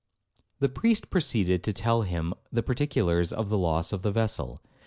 The priest proceeded to tell him the particulars of the loss of the vessel.